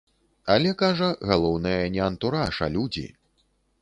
Але, кажа, галоўнае не антураж, а людзі.